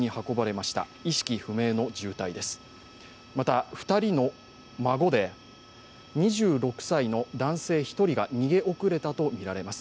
また、２人の孫で２６歳の男性１人が逃げ遅れたとみられます。